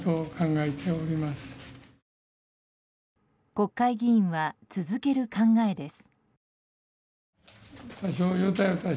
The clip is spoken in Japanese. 国会議員は続ける考えです。